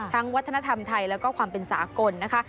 วัฒนธรรมไทยแล้วก็ความเป็นสากลนะคะ